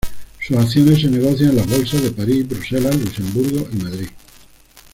Sus acciones se negocian en las Bolsas de París, Bruselas, Luxemburgo y Madrid.